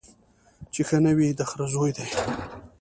چي ښه نه وي د خره زوی دی